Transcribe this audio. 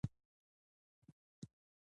آیا زموږ دسترخان به رنګین وي؟